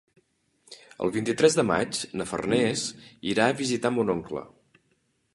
El vint-i-tres de maig na Farners irà a visitar mon oncle.